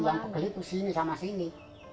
yang pegel itu sini sama sini